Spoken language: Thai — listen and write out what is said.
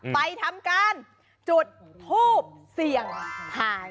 ไปทำการจุดทูบเสี่ยงหาย